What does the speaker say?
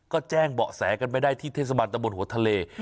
ก็แจ้งเบาะแสกันไปได้ที่เทศบาลตะบนหัวทะเล